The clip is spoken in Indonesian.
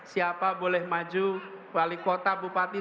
siapa boleh maju wali kota bupati